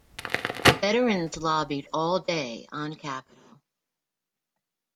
The veterans lobbied all day on Capitol.